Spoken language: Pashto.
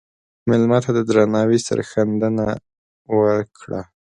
مېلمه ته د درناوي سرښندنه وکړه.